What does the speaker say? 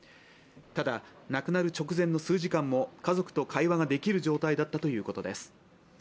ただ、亡くなる直前の数時間も家族と会話ができる状態だったということです。